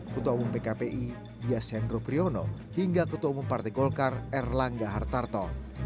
ketua umum pkpi yas hendro priyono hingga ketua umum partai golkar erlangga hartarto